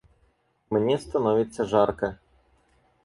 Мне становится жарко.